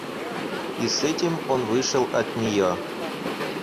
И с этим он вышел от нее.